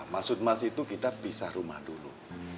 maksud mas itu kita pisah rumah dulu